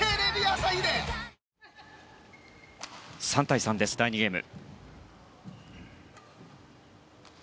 ３対３です、第２ゲーム。